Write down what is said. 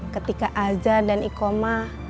ketika azan dan ikomah